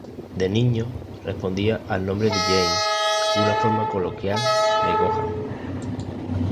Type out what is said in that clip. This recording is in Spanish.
De niño, respondía al nombre de Janne, una forma coloquial de Johan.